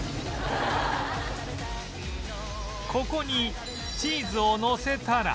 ここにチーズをのせたら